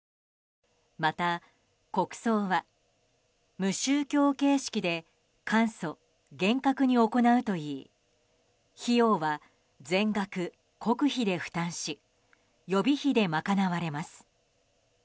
また、国葬は無宗教形式で簡素・厳格に行うといい費用は全額国費で負担し予備費で賄われます。